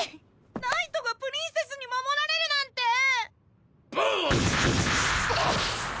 ナイトがプリンセスに守られるなんてボーグ！